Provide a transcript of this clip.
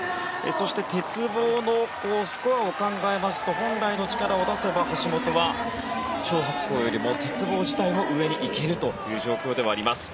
そして、鉄棒のスコアを考えますと本来の力を出せば橋本はチョウ・ハクコウよりも鉄棒自体も上に行けるという状況ではあります。